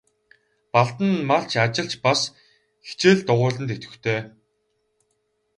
Балдан нь малч, ажилч, бас хичээл дугуйланд идэвхтэй.